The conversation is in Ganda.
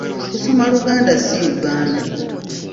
Tusoma Luganda si Uganda.